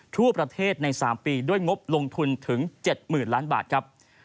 ทั่วประเทศใน๓ปีด้วยงบลงทุนถึง๗๐๐๐ล้านบาทครับ